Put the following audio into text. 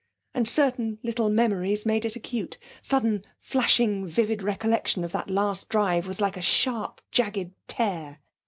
And certain little memories made it acute; sudden flashing vivid recollection of that last drive was like a sharp jagged tear.